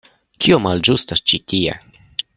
Kio malĝustas ĉi tie?